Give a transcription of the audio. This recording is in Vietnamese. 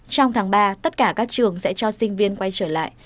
trong tháng ba tất cả các trường sẽ cho sinh viên quay trở lại